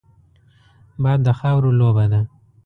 باد د خاورو لوبه ده